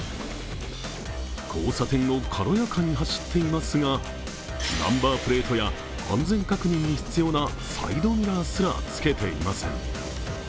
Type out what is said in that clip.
交差点を軽やかに走っていますが、ナンバープレートや安全確認に必要なサイドミラーすらつけていません。